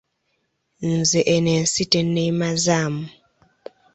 Nze eno ensi tenneemazaamu.